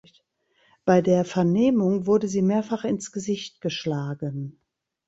Bei der Vernehmung wurde sie mehrfach ins Gesicht geschlagen.